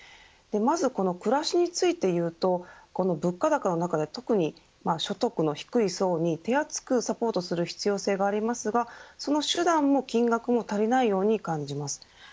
まず暮らしについて言うと物価高の中で特に所得の低い層に手厚くサポートする必要性がありますがその手段も金額も足りないように感じます。